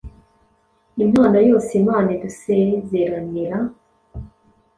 Impano yose Imana idusezeranira,